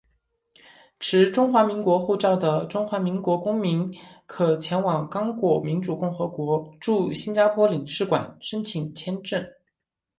持中华民国护照的中华民国公民可前往刚果民主共和国驻新加坡领事馆申请签证。